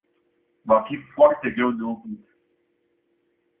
Va fi foarte greu de oprit.